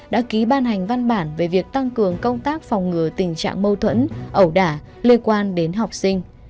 đã ký ban hành văn bản về việc tăng cường công tác phòng ngừa tình trạng mâu thuẫn ẩu đả liên quan đến học sinh